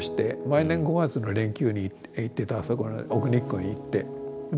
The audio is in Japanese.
毎年５月の連休に行ってた奥日光に行って。